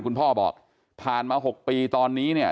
คุณพ่อบอกผ่านมา๖ปีตอนนี้เนี่ย